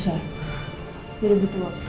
assalamualaikum warahmatullahi wabarakatuh